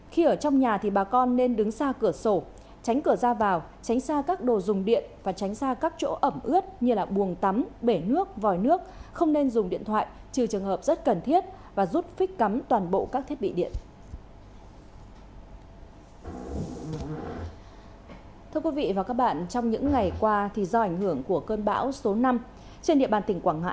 khi ở trong nhà thì bà con nên đứng xa cửa sổ tránh cửa ra vào tránh xa các đồ dùng điện và tránh xa các chỗ ẩm ướt như là buồng tắm bể nước vòi nước không nên dùng điện thoại trừ trường hợp rất cần thiết và rút phích cắm toàn bộ các thiết bị điện